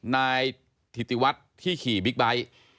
นายถิติวัฒน์ที่ขี่บิ๊กไบท์